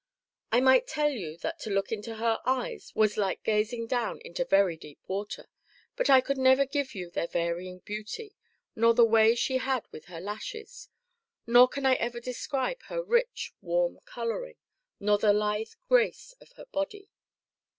I might tell you that to look into her eyes was like gazing down into very deep water, but I could never give you their varying beauty, nor the way she had with her lashes; nor can I ever describe her rich, warm coloring, nor the lithe grace of her body.